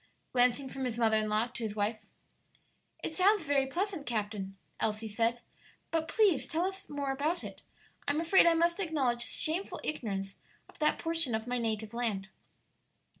glancing from his mother in law to his wife. "It sounds very pleasant, captain," Elsie said; "but please tell us more about it; I'm afraid I must acknowledge shameful ignorance of that portion of my native land."